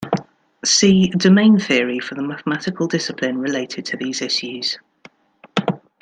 See: domain theory for the mathematical discipline related to these issues.